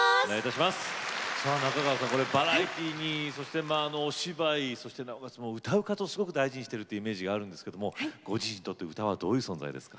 中川さん、バラエティーにそして、お芝居なおかつ、歌うことをすごく大事にしているというイメージがあるんですが、ご自身にとって歌はどういう存在ですか。